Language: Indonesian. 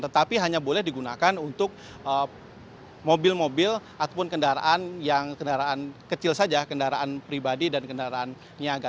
tetapi hanya boleh digunakan untuk mobil mobil ataupun kendaraan yang kendaraan kecil saja kendaraan pribadi dan kendaraan niaga